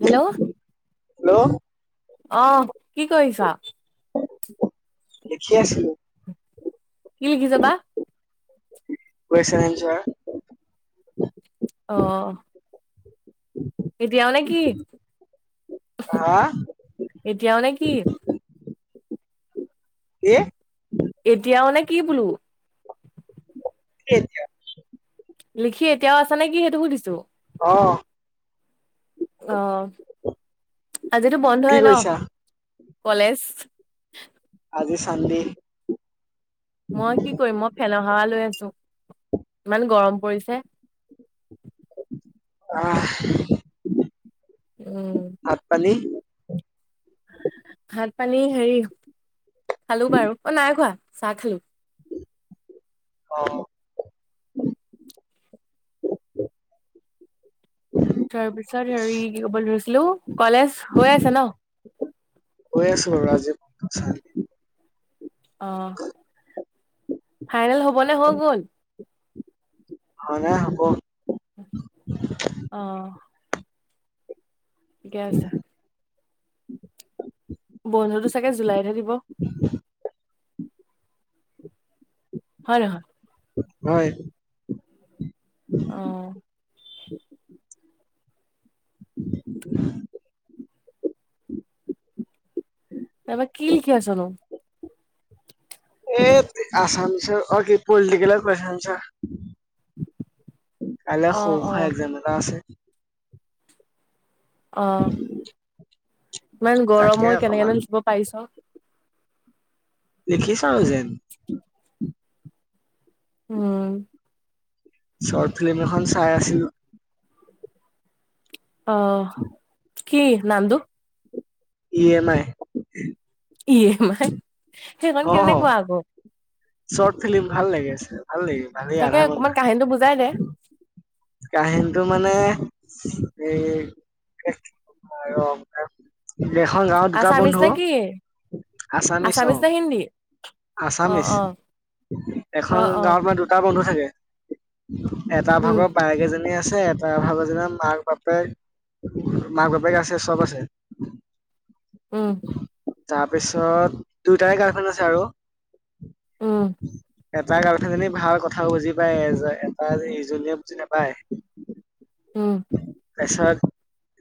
Hello hello অ', কি কৰিছা? লেখি আছিলোঁ। কি লিখিছে বা! [inaudible] অ' এতিয়াও নে কি? হা এতিয়াও নে কি? কি এতিয়াও নে কি বোলো? কি এতিয়া? লিখি এতিয়াও আছা নে কি সেইটো সুধিছো? অ'। অ'। আজিতো কি বন্ধয়েই ন? কৰিছা কলেজ আজি চানদে। মই কি কৰিম মই ফেন হাৱা লৈ আছোঁ, ইমান গৰম পৰিছে। অ'। উম ভাত পানি ভাত পানী হেৰি, খালো বাৰু। অ' নাই খোৱা, চাহ খালোঁ। অ' তাৰ পিছত হেৰি, কি কব ধৰিছ হেল্ল' কলেজ হৈ আছে ন? হৈ আছিল, ৰাজীৱ [unintelligible] অ', ফাইনেল হ'ব ব নে হৈ গ'ল? হোৱা নাই, হ'ব। অ ঠিকে আছে। বন্ধটো চাগে জুলাইতহে দিব? হয় নহয়? হয়। অহ। এব কি লিখি আছ' নো? এহ, আছামিছৰ অহ কি, পলিটিকেলৰ কুৱেইছন এঞ্চাৰ। কাইলৈ অ সও অ খোৱা একজাম এটা আছে। অ ইমান তাকে গৰমৰ অকমান কেনেকেঠিব পাৰিছ দেখিছ জ উম চৰ্ট ফিল্ম এখন চাই আছিলো আহ কি নন্দ ই এম আই এইমই সেইখন কেনেকুৱা আকৌ শৰ্ট ফিলি্ম ভাল লাগি আছে ভাল লাগিল ভালেই তাকে অকমান কাহিনীটো বুজাই দে কাহিনটো মানে এই আৰু এখন গাঁৱত দুটা আছামিছ বন্ধু নে অ কি আছামিচ অ আছামিছ নে হিন্দী অ আছামিচ অ অ এখন অ গাঁৱত মানে দুটা বন্ধু হয়াকে এটা উম ভাগত এজনী আছে ত ভাবা যেনা মাক বাপেক মাক বাপেক আছে চব আছে উম তাৰপিছত দুয়টাৰে গাৰ্ডখন আছে আৰু উ এটা কাৰালহে যেী ভাল কথা বুজি পায় এটা ইজনীয়ে বাই উম পেছত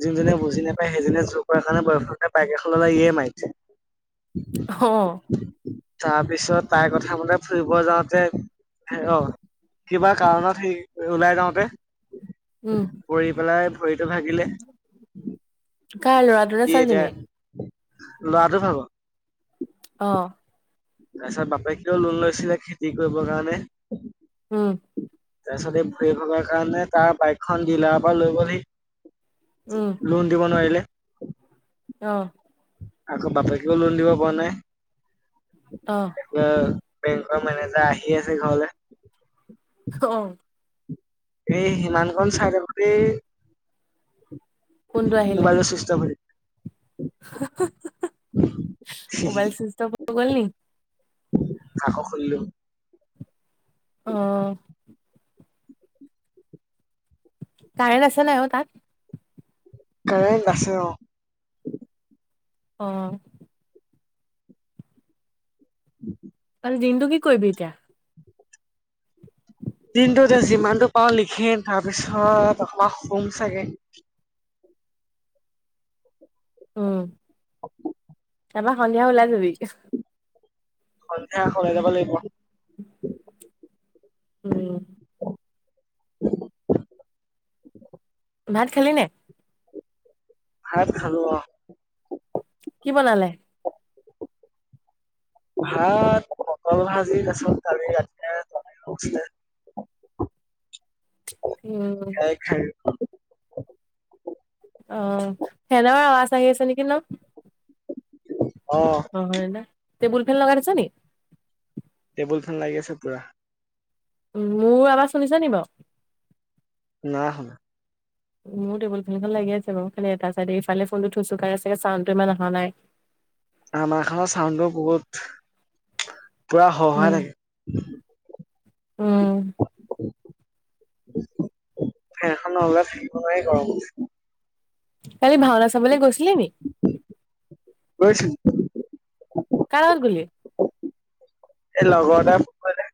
যোনজনে বুজি নাপায় সেইজনীয়ে জোৰ কৰাৰ কাৰণে বয়স পাইক এখনলৈ ইয়ে মাৰিছে অ তাৰ পিছত তাই কথা মতে ফুৰিব যাওঁতে অ কিবা কাৰণত সেই ওলাই যাওঁতে উম [inaudible] প পেলাই ভৰিটো ভাগিলে ক ল'ৰাটো ন ই চাল এতিয়া তেুমি লৰাটো ভাব অঁ তাৰপিছত বাপে কিয় লোন লৈছিলে খেতি কৰিবৰ কাৰণে উম তাৰপিছত এই ভৰি ভগৰ কাৰণে তাৰ বাইকখন জিলাৰ পৰা লৈ গ'হি উম লোন দিব নোৱাৰিলে অহ। আকৌ বাপেকেও লোন দিব পৰা নাই। অ অহ। বেংকৰ মেনেজাৰ আহি আছে ঘৰলে। অ এই হিমান কন চাই থাকোতে কোনটো আহিলে মবাইলৰ চিষ্টম। [unintelligible] থাকিল মোবাইল চুস্থ অফ হৈ গ'ল নি? আকৌ খুলিলো অহ। কাৰেণ্ট আছে নাই অ' তাত? কাৰেণ্ট আছে, অ'। অ' [inaudible] আৰু দিনটো কি কৰিবি এতিয়া? দিনটোত যিমানটো পাওঁ লিখিম, তাৰপিছত অকমান শুভ চাগে উম [inaudible] তাৰপা সন্ধিয়া ওলাই যাবি? সন্ধিয়া ওলাই যাব লাগিব। উম [inaudible] ভাত খালি নাই? ভাত খালোঁ অ। কি বনালে? ভাত পটল ভাজি, তাছত কালি ৰাতিৰে তৰকাৰী অকন আছিলে উম অ', ফেনৰ আৱাজ আহি আছে নেকি ন? অ' হয়? নে টেবুল ফেন লগাই থৈছ নি? টেবুল ফেন লাগি আছে পুৰা মোৰ আবাজ শুনিছ নি বাৰু? নাই শুনা। মোৰ টেবুল ফনখন লাগি আছে বাৰু। খালি এটা চাইডে ইফালে ফোনটো থৈছোঁ কাৰণে চাগে চাউণ্ডটো ইমান অহা নাই। আমাৰখানৰ চাউণ্ডটো বহুত। পুৰা উম, সহায় থাকে। উম। ফেনখন ন'হলে থাকিব নোৱাৰি গৰমত। কালি ভাওনা চাবলৈ গৈছিলি নি? গৈছোঁ। কাৰ লগত গুলি? এই লগৰ এটাই ফোন কৰিলে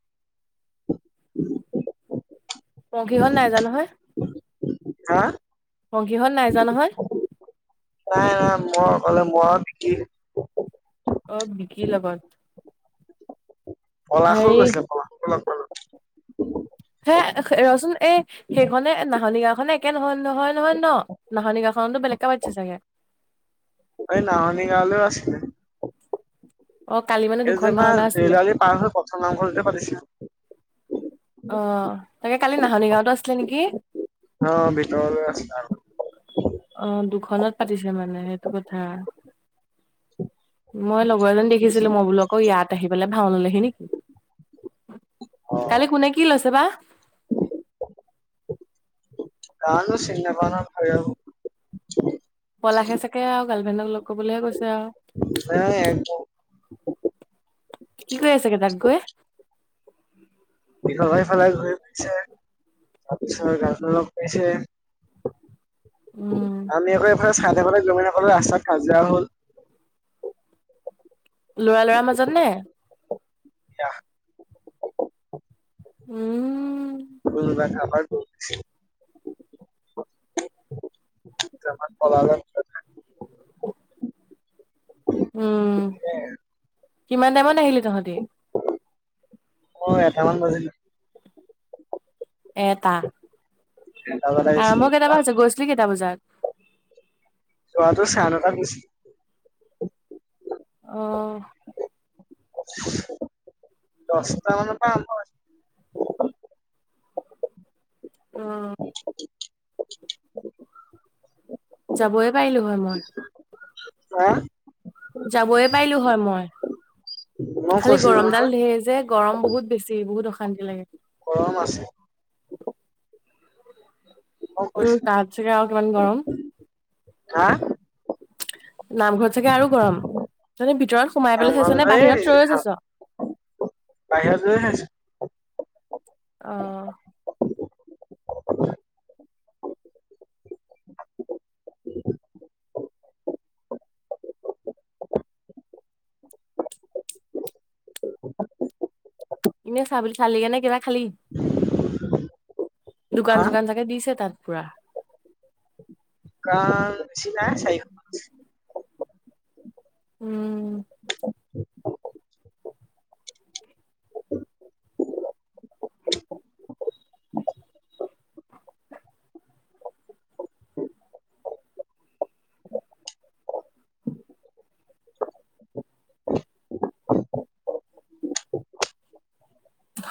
পংখীহত নাই যোৱা নহয়? হা? পংখীহত নাই যোৱা নহয়? নাই নাই মই অকলে মই বিকি অহ বিকিৰ লগত। পলাশো হেৰি গৈছে পলাশকো লগ পালো হে ৰচোন এই সেইখনে নাহনি গাওখনে একে নহয় নহয় নহয় ন নাহনি গাওখনতো বেলেগকে পাতিছে চাগে? এই নাহনি গাঁৱলৈও আছিলে অ', কালি মানে এই দুখন যেনা ভাওনা আছিলে। ৰেলাৰি পাৰ হৈ প্ৰথম নামঘৰতে পাতিছিলে। অহ তাকে কালি নাহনি গাঁৱতো আছিলে নেকি? অহ ভিতৰলৈ আছিলে অহ দুখনত পাতিছে মানে সেইটো কথা মই লগৰজন দেখিছিলো মই বোলো আকৌ ইয়াত আহি পিনে ভাওনাহি নেকি অ ।কালি কোনে কি কি লৈছে বাহ জানো চিনি নাপাও‌ নহয় ভাল পলাশে চাগে আৰু গাৰ্লফ্ৰেণ্ডক লগ কৰিবলৈহে কৈছে আৰু হঅ একদম। কি কৰি আছাগে তাত গৈ? ইফালে সিফালে ঘূৰি ফুৰিছে, তাৰপিছত গাৰ্লফ্ৰেণ্ডক লগ কৰিছে। উম, আমি আকৌ চাই থাকোটে গমে নাপালো ৰাস্তাত কাজিৰা হ'ল। ল'ৰা ল'ৰা মাজত নে? ইয়াহ উম উম দেখা [unintelligible] একজামত পলালে উম কিমান টাইমত আহিলি তহঁতি? অহ এটামান বাজিলে এটা এটা বজাত অহ আহিছিলোঁ, মই কেইটা ব পৰা আ তাত হৈছে গৈছিলো কেইটা বজাত যোৱাটো চাৰে নটা কৈছিল অহ দশটা মানৰ পৰা আৰম্ভ হৈছে অহ যাবয়ে পাৰিলো মই হাআ যাবই পাৰিলো হয় মই মই খালি কৈছিলোঁ গৰম নহয় ডাল ধেৰ যে গৰম বহুত বেছি বহুত অশান্তি লাগে। গৰম আছে মই উম কৈছিলোঁ। তাত চাগে আও কিমান গৰম। হা? নামঘৰত চাগে আৰু গৰম, [unintelligible] ভিতৰত সোমাই পেলাই নামঘৰৰ চাইছ নে ভিতৰত বাহিৰত থিয় এই হৈ খা চাইছ? বাহিৰত। [unintelligible] অহ। ইনেও [unintelligible] চালিগেনে কিবা? খালি, হা, দোকান-চোকান চাগে দিছে তাত। পুৰা। কাম [unintelligible] উম।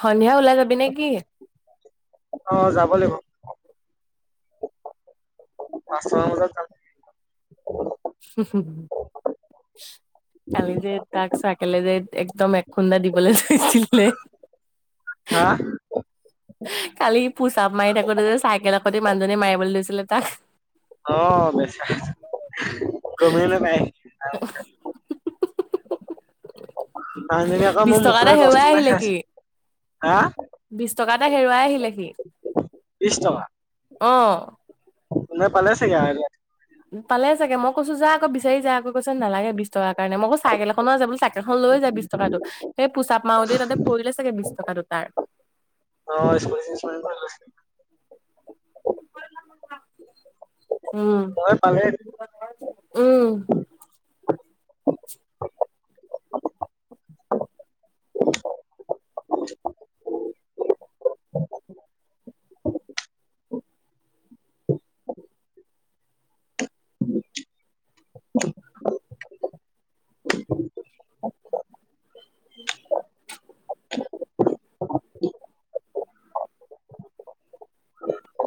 সন্ধিয়া ওলাই যাবি নে কি? অ' যাব লাগিব। পাঁচটা মান বজাত যাম। কালি যে তাক চাইকেলে যে, একদম এক খুন্দা দিবলৈ [unintelligible] হা, কালি পোচ আপ মাৰি থাকোঁতে যে, চাইকেলৰ সতি মানুহজনী মাৰিবলৈ ধৰিছিলে তাক। অ', বেচেৰা! গ'মেই নাপায় [unintelligible] মানুহজনী আকৌ বিশ মোৰ টকা এটা মুখলে হেৰুৱাই টৰ্চটো মাৰি চাইছে। হা? বিছ টকা এটা হেৰুৱাই আহিলে সি। বিছ টকা? অ'। নাই, পালে চাগে আৰু এতিয়া। পালে চাগে! মই কৈছোঁ, যা আকৌ বিচাৰি যা আকৌ! কৈছে নালাগে, বিছ টকাৰ কাৰণে। মই আকৌ চাইকেল এখনো আছে বুলো, চাইকেলখন লৈ যা বিশ টকাটোক। সেই পোচআপ মাৰোতেই তাতে পৰিলে চাগে, বিছ টকাটো তাৰ। অ', স্পৰ্টিং চেঞ্জ কৰিব লৈছিলোঁ। [inaudible] উম। মই পালে উম। [inaudible]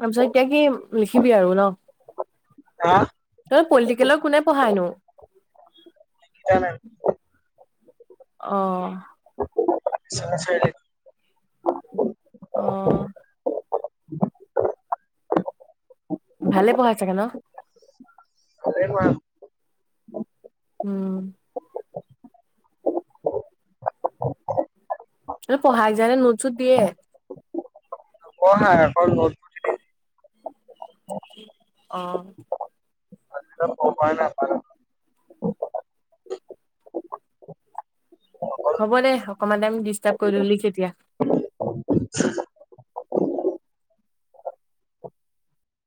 তাৰপিছত এতিয়া কি লিখিবি আৰু ন? হা অ' পলিটিকেলৰ কোনে পঢ়ায় নো? এতিয়া নাই। অ' [inaudible] অ' ভালে পঢ়ায় চাগে ন? উম তোৰ পঢ়াই যে এনে নোট ছোট দিয়ে? পঢ়ায় আকৌ নোট [unintelligible] অ' পঢ়া নাপালো হ'ব দে, অকমান টাইম ডিষ্টাৰ্ব কৰিলোঁ। লিখ এতিয়া।